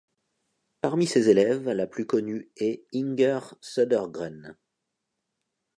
Parmi ses élèves, la plus connue est, Inger Södergren.